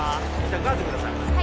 ガーゼください